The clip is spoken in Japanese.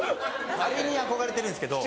あれに憧れてるんですけど。